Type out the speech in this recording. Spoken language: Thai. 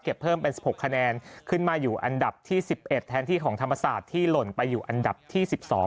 เพิ่มเป็นสิบหกคะแนนขึ้นมาอยู่อันดับที่สิบเอ็ดแทนที่ของธรรมศาสตร์ที่หล่นไปอยู่อันดับที่สิบสอง